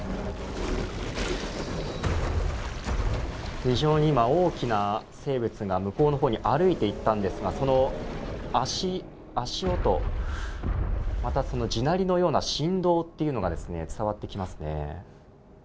非常に今、大きな生物が向こうのほうに歩いて行ったんですがその足音またその地鳴りのような振動というのが伝わってきますね。